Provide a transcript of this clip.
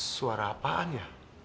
suara apaan ya